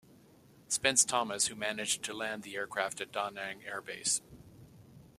Spence Thomas, who managed to land the aircraft at Da Nang airbase.